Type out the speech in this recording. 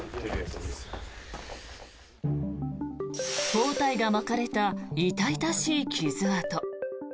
包帯が巻かれた痛々しい傷痕。